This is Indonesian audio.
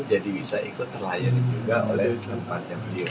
jadi bisa ikut terlayan juga oleh tempat yang dia